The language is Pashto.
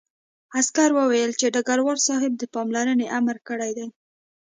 عسکر وویل چې ډګروال صاحب د پاملرنې امر کړی دی